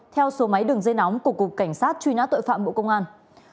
theo số máy đường dây nóng của cục cảnh sát truy nã tội phạm bộ công an